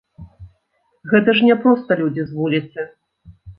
Гэта ж не проста людзі з вуліцы.